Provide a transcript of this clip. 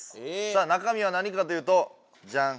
さあ中みは何かというとジャン！